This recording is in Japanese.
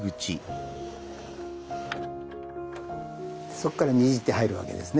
そっからにじって入るわけですね。